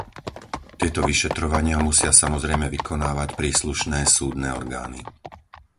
Tieto vyšetrovania musia samozrejme vykonávať príslušné súdne orgány.